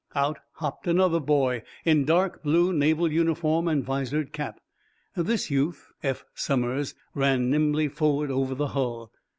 Out hopped another boy, in dark blue naval uniform and visored cap. This youth, Eph Somers, ran nimbly forward over the hull.